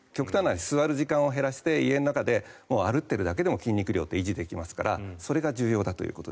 座る時間を減らして家の中で歩いているだけでも筋肉量って維持できますからそれが重要だと。